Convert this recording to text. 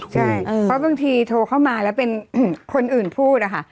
ใช่เพราะบางทีโทรเข้ามาแล้วเป็นคนอื่นพูดอะค่ะ